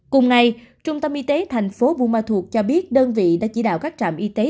cùng ngày trung tâm y tế thành phố buma thuộc cho biết đơn vị đã chỉ đạo các trạm y tế